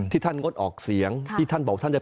ท่านงดออกเสียงที่ท่านบอกท่านจะ